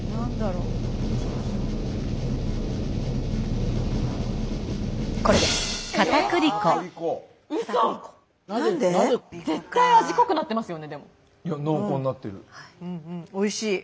うんうんおいしい。